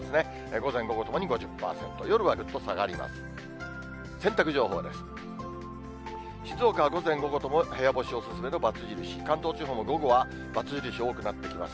午前、午後ともに５０％、夜はぐっと下がります。